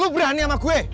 berani sama gue